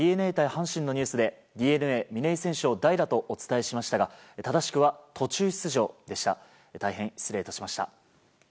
阪神のニュースでＤｅＮＡ、嶺井選手を代打とお伝えしましたが正しくは途中出場でした。